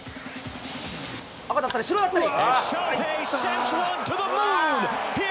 赤だったり白だったり。